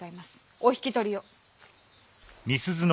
お引き取りを。